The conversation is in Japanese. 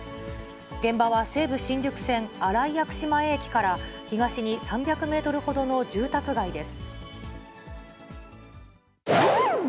現場は西武新宿線新井薬師前駅から東に３００メートルほどの住宅街です。